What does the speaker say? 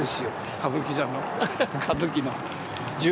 歌舞伎座の歌舞伎の十八番。